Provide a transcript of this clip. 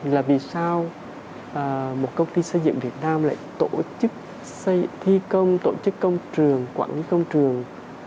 là vì sao một công ty xây dựng việt nam lại tổ chức thi công tổ chức công trường quản lý công trường